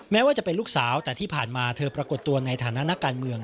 แม้ว่าจะเป็นลูกสาวแต่ที่ผ่านมาเธอปรากฏตัวในฐานะนักการเมือง